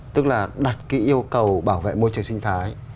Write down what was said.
tức là đặt cái yêu cầu bảo vệ môi trường sinh thái